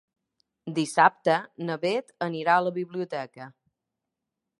Dissabte na Beth anirà a la biblioteca.